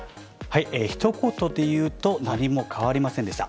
ひと言で言うと、何も変わりませんでした。